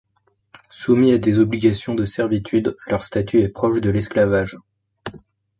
Soumis à des obligations de servitude, leur statuts est proche de l'esclavage.